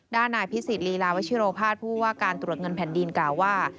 นายพิสิทธลีลาวัชิโรภาสผู้ว่าการตรวจเงินแผ่นดินกล่าวว่า